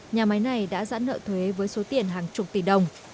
nhà máy này đã giãn nợ thuế với số tiền hàng chục tỷ đồng